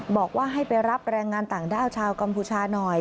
บอกว่าให้ไปรับแรงงานต่างด้าวชาวกัมพูชาหน่อย